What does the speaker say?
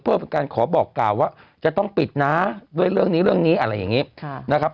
เพื่อเป็นการขอบอกกล่าวว่าจะต้องปิดนะด้วยเรื่องนี้เรื่องนี้อะไรอย่างนี้นะครับ